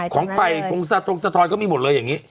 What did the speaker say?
ของไปแทนโท่นก็มีเลย